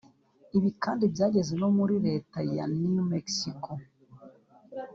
Ibi kandi byageze no muri Leta ya New Mexico